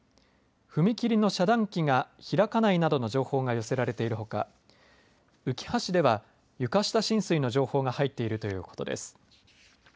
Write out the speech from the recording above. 踏切の遮断機が開かないなどの情報が寄せられているほかうきは市では床下浸水の情報が入っているということです。